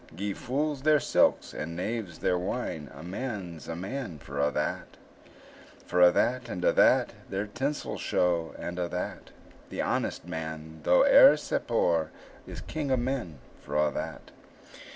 Gie fools their silks, and knaves their wine, A man's a man for a' that. For a' that, and a' that, Their tinsel show, and a' that; The honest man, though e'er sae poor, Is king o' men for a' that.